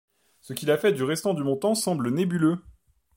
Ce qu'il a fait du restant du montant semble nébuleux.